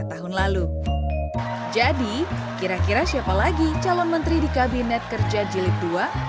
tadi kira kira siapa lagi calon menteri di kabinet kerja jilib ii